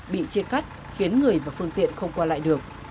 bị chia cắt khiến người và phương tiện không qua lại được